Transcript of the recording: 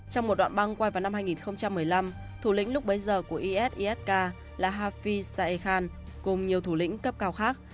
trong một đoạn băng quay vào năm hai nghìn một mươi năm thủ lĩnh lúc bấy giờ của isisk là hafi saekhan cùng nhiều thủ lĩnh cấp cao khác